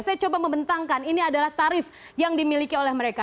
saya coba membentangkan ini adalah tarif yang dimiliki oleh mereka